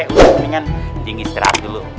itu mendingan anjing istirahat dulu